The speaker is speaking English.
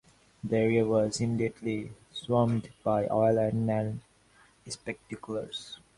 The area was immediately swarmed by oil and land speculators.